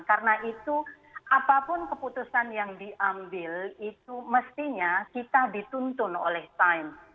karena itu apapun keputusan yang diambil itu mestinya kita dituntun oleh time